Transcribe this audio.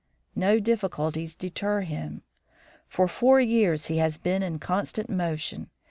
No difficulties deter him. For four years he has been in constant motion.